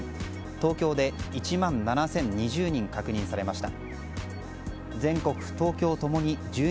東京で１万７０２０人確認されました。